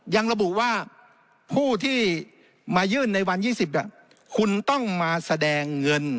ยังระบุว่าผู้ที่มายื่นในวัน๒๐คุณต้องมาแสดงเงิน